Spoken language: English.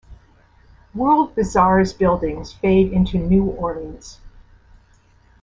World Bazaar's buildings fade into New Orleans.